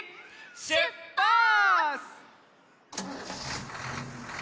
しゅっぱつ！